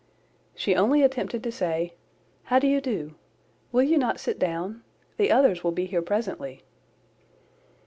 She only attempted to say, "How do you do? Will you not sit down? The others will be here presently."